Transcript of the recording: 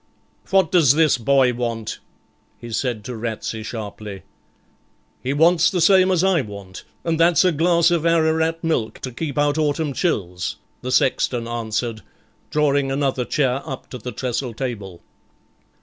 'What does this boy want?' he said to Ratsey sharply. 'He wants the same as I want, and that's a glass of Ararat milk to keep out autumn chills,' the sexton answered, drawing another chair up to the trestle table.